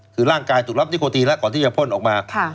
คือร่างกายถูกรับนิโคตีแล้วก่อนที่จะพ่นออกมา